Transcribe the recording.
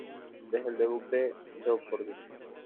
Desde el debut de "Jeopardy!